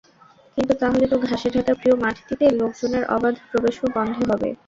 কিন্তু তাহলে তো ঘাসে ঢাকা প্রিয় মাঠটিতে লোকজনের অবাধ প্রবেশও বন্ধ হবে।